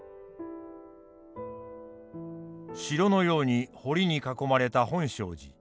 城のように堀に囲まれた本證寺。